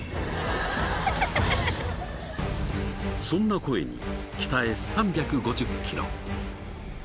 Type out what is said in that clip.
そんな声に北へ３５０ｋｍ。